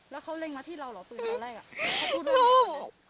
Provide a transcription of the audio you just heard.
แล้วเขาเล็งมาที่เราเหรอปืนตอนแรกอ่ะ